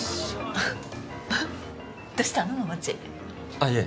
あっいえ。